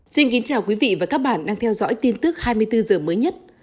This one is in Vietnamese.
xin kính chào quý vị và các bạn đang theo dõi tin tức hai mươi bốn h mới nhất